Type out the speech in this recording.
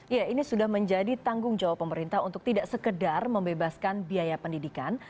ya ini sudah menjadi tanggung jawab pemerintah untuk tidak sekedar membebaskan biaya pendidikan